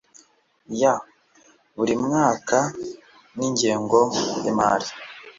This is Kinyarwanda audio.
ya buri mwaka n ingengo y imari